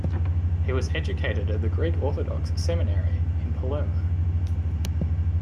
He was educated at the Greek Orthodox seminary in Palermo.